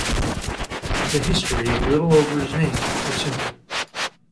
The history of Littleover's name is simple.